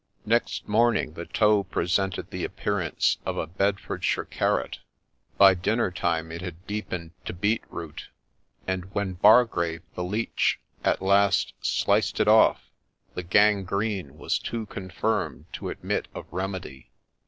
Next morning the toe presented the appearance of a Bedfordshire carrot ; by dinner time it had deepened to beetroot ; and when Bargrave, the leech, at last sliced it off, the gangrene was too confirmed to admit of remedy.